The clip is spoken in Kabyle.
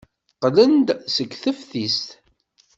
Qqlen-d seg teftist.